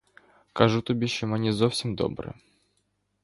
Кажу тобі, що мені зовсім добре.